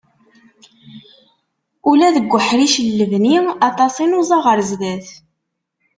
Ula deg uḥric n lebni, aṭas i nuẓa ɣar sdat.